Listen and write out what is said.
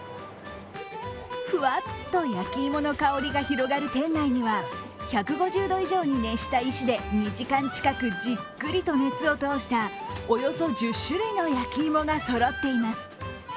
ふわっと焼き芋の香りが広がる店内には１５０度以上に熱した石で２時間近く、じっくりと熱を通したおよそ１０種類の焼き芋がそろっています。